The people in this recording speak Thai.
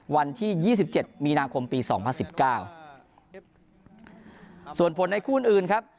วันที่ยี่สิบเจ็ดมีนาคมปีสองพันสิบเก้าส่วนผลในคู่อื่นครับ